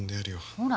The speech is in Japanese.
ほら